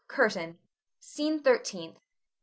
CURTAIN. SCENE THIRTEENTH.